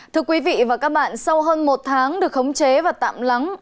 thưa quý vị và các bạn sau hơn một tháng được khống chế và tạm lắng